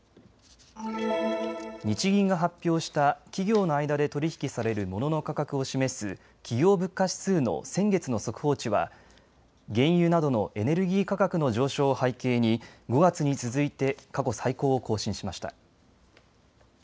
日銀が発表した企業の間で取り引きされるモノの価格を示す企業物価指数の先月の速報値は原油などのエネルギー価格の上昇を背景に５月に続いて過去最高を更新しました。